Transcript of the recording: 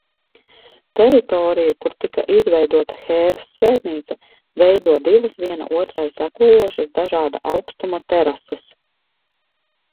Teritoriju, kur tika izveidota Hēras svētnīca, veido divas viena otrai sekojošas dažāda augstuma terases.